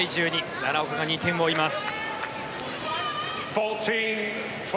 奈良岡が２点を追います。